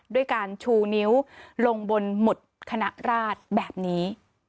ด้วยการชูนิ้วลงบนหมุดคณะราชแบบนี้